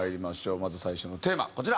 まず最初のテーマこちら。